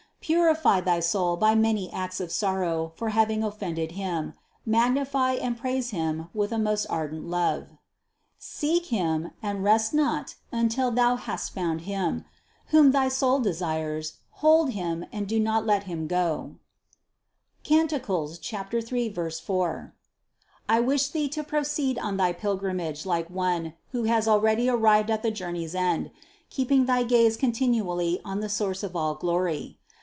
Purify thy soul by many acts of sorrow for having offended Him, magnify and praise Him with a most ardent love. Seek Him, and rest not until thou hast found Him, whom thy soul desires, hold Him and do not let Him go (Cant. 3, 4). I wish thee to proceed on thy pilgrimage like one, who has already arrived at the journey's end, keeping thy gaze continually on the source of all glory.